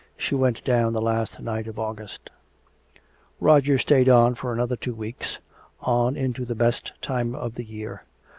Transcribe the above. She went down the last night of August. Roger stayed on for another two weeks, on into the best time of the year.